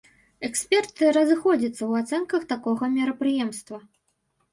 Эксперты разыходзяцца ў ацэнках такога мерапрыемства.